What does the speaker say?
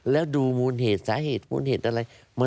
แล้วดูมูลเหตุสาเหตุมูลเหตุอะไร